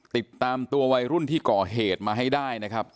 ติดตามตัววัยรุ่นที่ก่อเหตุมาให้ได้นะครับ